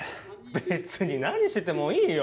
別に何しててもいいよ